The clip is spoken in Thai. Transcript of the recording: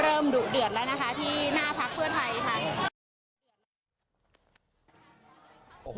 เริ่มดุเดือดแล้วที่หน้าพักเพื่อไทยทั้ง